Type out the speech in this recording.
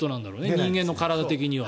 人間の体的には。